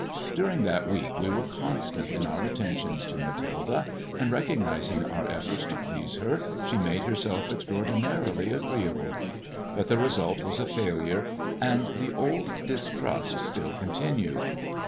During that week wo were constant in our attentions to Mathilde, and, recognizing our efforts to please her, she made herself extraordinarily agreeable. But the result was j a failure, and the old distrust still continued.